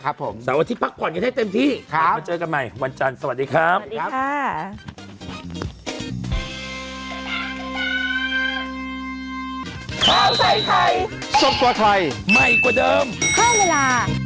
สันวันที่พักก่อนกันให้เต็มที่ครับมาเจอกันใหม่วันจันทร์สวัสดีครับสวัสดีค่ะ